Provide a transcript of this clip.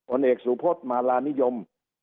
เอกสุพธมาลานิยม